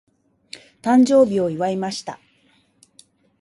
誕生日を祝いました。